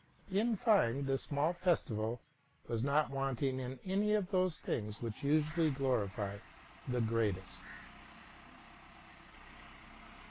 In fine, this small festival was not wanting in any of those things which usually glorify the greatest.